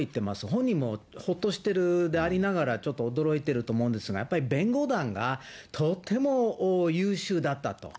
本人も、ほっとしてるでありながら、ちょっと驚いてると思うんですが、やっぱり弁護団がとても優秀だったと。